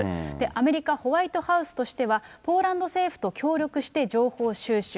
アメリカ・ホワイトハウスとしては、ポーランド政府と協力して情報を収集。